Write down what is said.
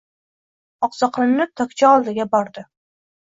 Oqsoqlanib tokcha oldiga bordi.